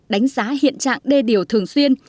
đánh giá hiện trạng đê điều thường xuyên